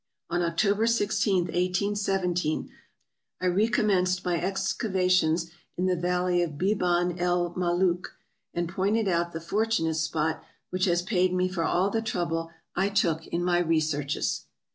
On October 16, 1817, I recommenced my excavations in the valley of Beban el Malook, and pointed out the fortunate spot which has paid me for all the trouble I took in my researches.